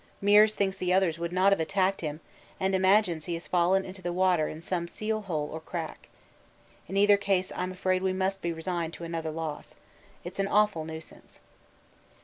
Meares thinks the others would not have attacked him and imagines he has fallen into the water in some seal hole or crack. In either case I'm afraid we must be resigned to another loss. It's an awful nuisance.